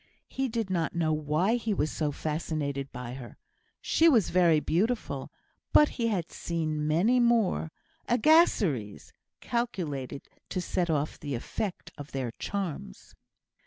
He did not know why he was so fascinated by her. She was very beautiful, but he had seen others equally beautiful, and with many more agaceries calculated to set off the effect of their charms.